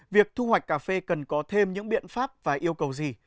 việc thu hoạch cà phê cần có thêm những biện pháp và yêu cầu gì